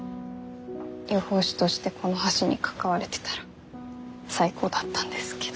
予報士としてこの橋に関われてたら最高だったんですけど。